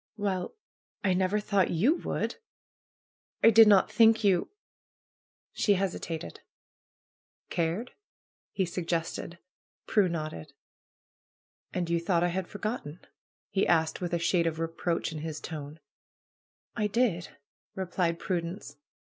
"Well, I never thought yoU would! I did not think you " she hesitated. PRUE'S GARDENER 215 "Cared?" he suggested. Prue nodded. "And you thought I had forgotten?" he asked, with a shade of reproach in his tone. "I did !" replied Prudence.